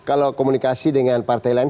kalau komunikasi dengan partai lain